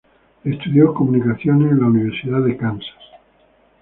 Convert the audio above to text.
Estudió comunicaciones en la Universidad de Kansas.